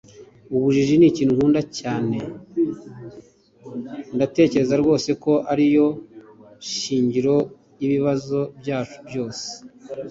ubujiji nikintu nkunda cyane. ndatekereza rwose ko ari yo shingiro ry'ibibazo byacu byose